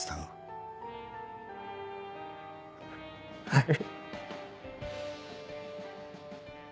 はい。